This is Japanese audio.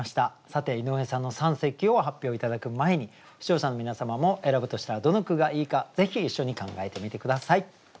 さて井上さんの三席を発表頂く前に視聴者の皆様も選ぶとしたらどの句がいいかぜひ一緒に考えてみて下さい。